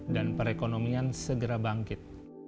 dan perekonomian segera bangkit